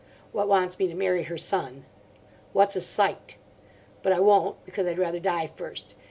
What wants me to marry her son. What's a sight. But I won't, because I'd rather die first.